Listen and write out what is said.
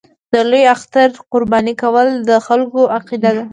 د لوی اختر قرباني کول د خلکو عقیده ده.